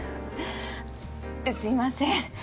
すいません